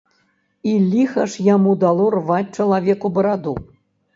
І ліха ж яму дало рваць чалавеку бараду.